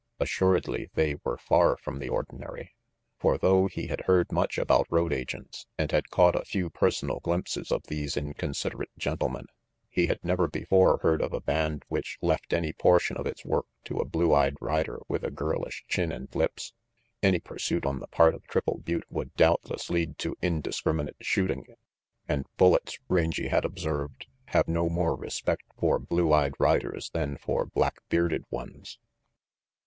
Assuredly they were far from the ordinary. For though he had heard much about road agents, and had caught a few personal glimpses of these inconsiderate gentlemen, he had never before heard of a band which left any portion of its work to a blue eyed rider with a girlish chin and lips. Any pursuit on the part of Triple Butte would doubtless lead to indiscriminate shooting, and bullets, Rangy had observed, have no more respect for blue eyed riders than for black bearded ones.